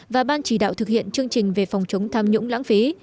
và ban chỉ đạo thực hiện chương trình về phòng chống tham nhũng lãng phí